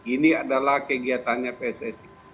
ini adalah kegiatannya pssi